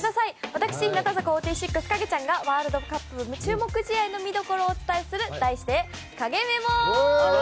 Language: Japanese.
私、日向坂４６、影ちゃんがワールドカップ注目試合の見どころをお伝えする題して影メモ！